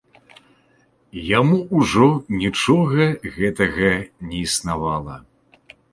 Яму ўжо нічога гэтага не існавала.